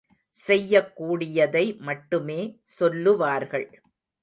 செய்யக் கூடியதை மட்டுமே சொல்லுவார்கள்.